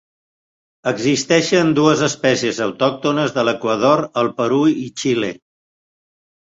Existeixen dues espècies, autòctones de l'Equador, el Perú i Xile.